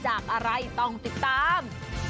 จากอะไรต้องติดตาม